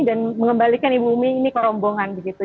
mengembalikan ibu umi ini ke rombongan begitu